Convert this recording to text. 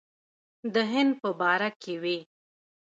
د هند په باره کې وې.